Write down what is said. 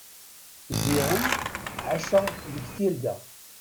Ziɣen ɛaceɣ deg tirga.